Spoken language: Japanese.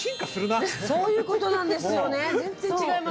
そういうことなんですよね全然違います。